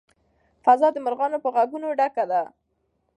فضا د مرغانو په غږونو ډکه ده.